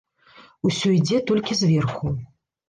Усё ідзе толькі зверху.